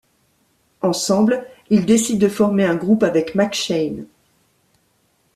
Ensemble, ils décident de former un groupe avec McShane.